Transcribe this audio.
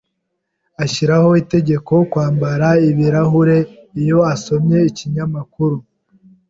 Ashiraho itegeko kwambara ibirahure iyo asomye ikinyamakuru.